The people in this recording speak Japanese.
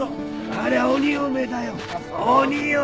ありゃ鬼嫁だよ鬼嫁！